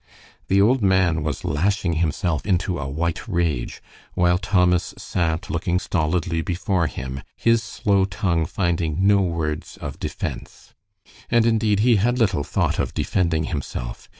The old man was lashing himself into a white rage, while Thomas sat looking stolidly before him, his slow tongue finding no words of defense. And indeed, he had little thought of defending himself.